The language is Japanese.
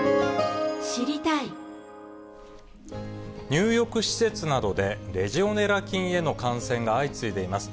入浴施設などでレジオネラ菌への感染が相次いでいます。